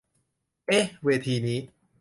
เอ๊ะเวทีนี้